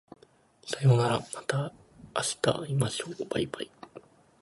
さようならまた明日会いましょう baibai